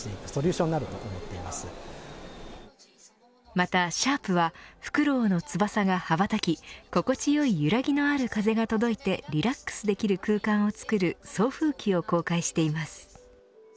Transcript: またシャープはフクロウの翼が羽ばたき心地よい揺らぎのある風が届いてリラックスできる空間を作る送風機を公開しています。